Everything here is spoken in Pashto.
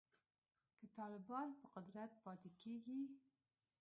که طالبان په قدرت پاتې کیږي